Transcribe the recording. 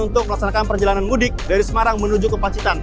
untuk melaksanakan perjalanan mudik dari semarang menuju ke pacitan